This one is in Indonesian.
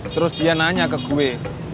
terus dia nanya ke gue